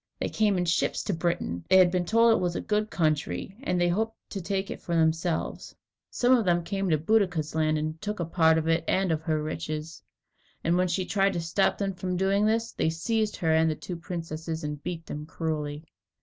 They came in ships to Britain. They had been told that it was a good country, and they hoped to take it for themselves. Some of them came to Boadicea's land, and took a part of it and of her riches. And when she tried to stop them from doing this, they seized her and the two princesses and beat them cruelly.